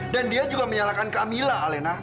dan dia juga menyalahkan kamila alena